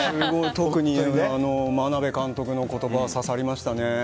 特に眞鍋監督の言葉は刺さりましたね。